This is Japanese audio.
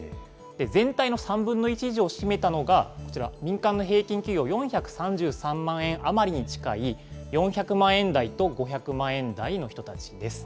全体の３分の１以上を占めたのがこちら、民間の平均給与４３３万円余りに近い４００万円台と５００万円台の人たちです。